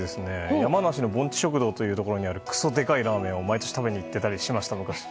山梨のぼんち食堂というところのくそでかいラーメンを毎年食べに行っていたりします。